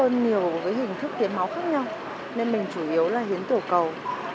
tư vấn nhiều với hình thức tiến máu khác nhau nên mình chủ yếu là hiến tiểu cầu